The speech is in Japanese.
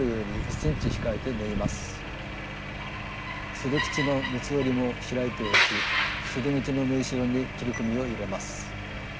そで口の三つ折りも開いておきそで口の縫いしろに切り込みを入れます。